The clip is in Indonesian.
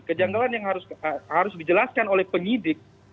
kejanggalan yang harus dijelaskan oleh penyidik